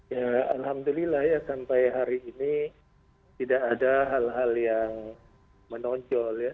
ya alhamdulillah ya sampai hari ini tidak ada hal hal yang menonjol ya